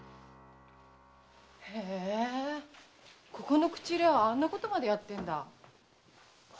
へぇここの口入れ屋はあんなことまでやってるんだ。